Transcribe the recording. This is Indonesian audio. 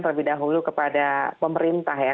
terlebih dahulu kepada pemerintah ya